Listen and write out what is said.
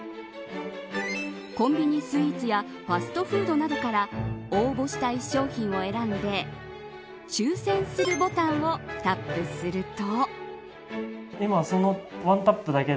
コンビニスイーツやファストフードなどから応募したい商品を選んで抽選するボタンをタップすると。